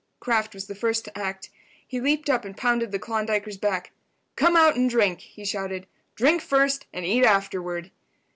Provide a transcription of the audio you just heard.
Kraft was the first to act. He leaped up and pounded the Klondiker's back. "Come out and drink," he shouted. "Drink first and eat afterward."